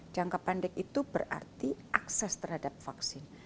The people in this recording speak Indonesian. jangka pendek itu berarti akses terhadap vaksin